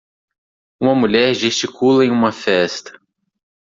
Uma mulher gesticula em uma festa.